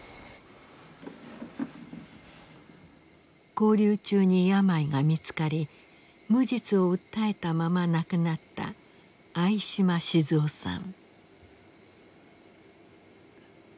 勾留中に病が見つかり無実を訴えたまま亡くなった相嶋静夫さん。